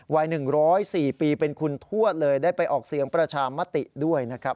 วัย๑๐๔ปีเป็นคุณทวดเลยได้ไปออกเสียงประชามติด้วยนะครับ